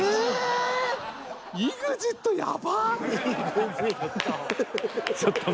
えっ。